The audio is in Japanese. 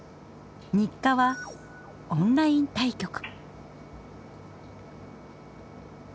日課はオンライン対局。